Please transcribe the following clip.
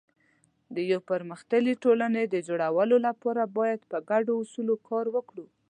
د یو پرمختللي ټولنې د جوړولو لپاره باید پر ګډو اصولو کار وکړو.